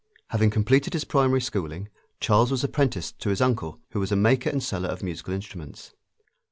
Having completed his primary schooling, Charles was apprenticed to his uncle, who was a maker and seller of musical instruments.